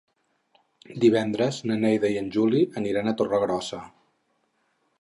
Divendres na Neida i en Juli aniran a Torregrossa.